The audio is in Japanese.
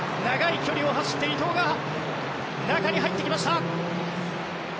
長い距離を走って伊東が中に入ってきました。